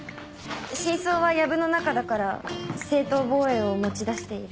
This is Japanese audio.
真相はやぶの中だから正当防衛を持ち出している。